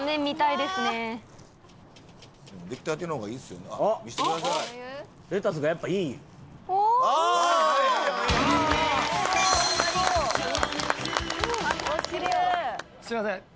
すいません。